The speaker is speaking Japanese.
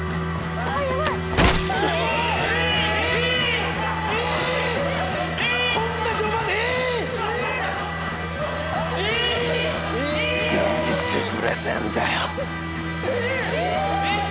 何してくれてんだよ。